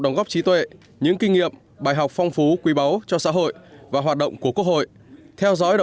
đóng góp trí tuệ những kinh nghiệm bài học phong phú quý báu cho xã hội và hoạt động của quốc hội